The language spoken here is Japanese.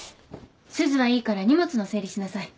すずはいいから荷物の整理しなさい。